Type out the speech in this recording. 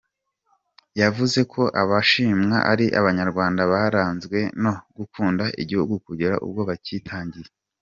Yavuze ko abashimwa ari Abanyarwanda baranzwe no gukunda igihugu kugera ubwo bakitangiye.